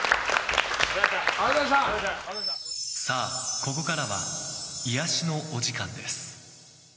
さあ、ここからは癒やしのお時間です。